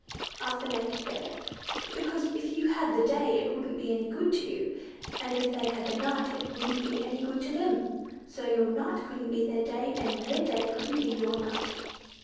asked the native Bear. "Because if you had the day it wouldn't be any good to you, and if they had the night it wouldn't be any good to them. So your night couldn't be their day, and their day couldn't be your night."